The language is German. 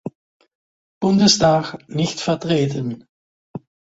Bundestag nicht vertreten.